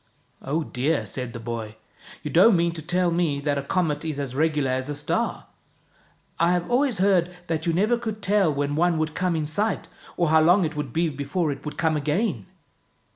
" Oh, dear! " said the boy. "You don't mean to tell me that a comet is as regular as a star. I have always heard that you never could tell when one would come in sight, or how long it would be before it would come again."